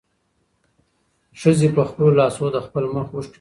ښځې په خپلو لاسو د خپل مخ اوښکې پاکې کړې.